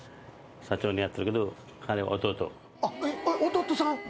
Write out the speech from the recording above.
弟さん？